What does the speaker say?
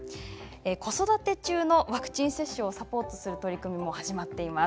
子育て中のワクチン接種をサポートする取り組みも始まっています。